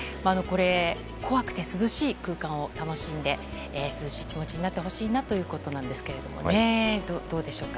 怖くて涼しい空間を楽しんで涼しい気持ちになってほしいということなんですがどうですか？